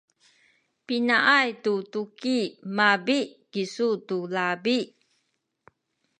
pinaay ku tuki mabi’ kisu tu labi?